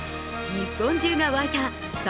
日本中が沸いた侍